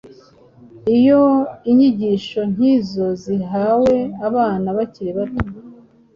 Iyo inyigisho nk’izo zihawe abana bakiri bato